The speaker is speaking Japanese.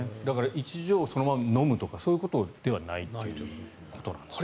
１錠そのまま飲むとかそういうことではないということなんですね。